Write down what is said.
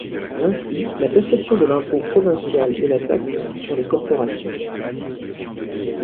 Ainsi, la perception de l'impôt provincial et la taxe sur les corporations.